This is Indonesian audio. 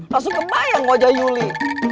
langsung kebayang wajah yuli